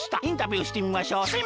インタビューしてみましょう。